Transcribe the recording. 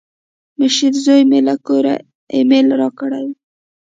مشر زوی مې له کوره ایمیل راکړی و.